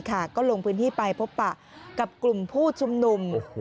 ก็ลงพื้นที่ไปพบปะกับกลุ่มผู้ชุมนุม